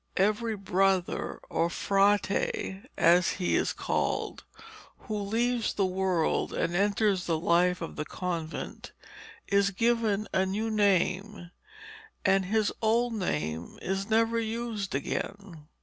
Every brother, or frate, as he is called, who leaves the world and enters the life of the convent is given a new name, and his old name is never used again.